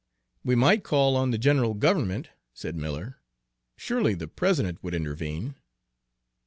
"We might call on the general government," said Miller. "Surely the President would intervene."